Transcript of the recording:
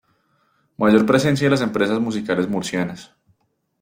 Mayor presencia en las empresas musicales murcianas.